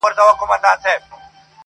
• زه پر خپل ځان خپله سایه ستایمه..